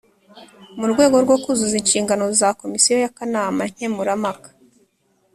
Mu rwego rwo kuzuza inshingano za Komisiyo y’akanama nkemurampaka